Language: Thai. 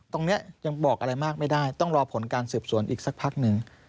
ยังบอกอะไรมากไม่ได้ต้องรอผลการสืบสวนอีกสักพักหนึ่ง